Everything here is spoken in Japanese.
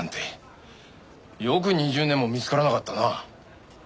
よく２０年も見つからなかったな。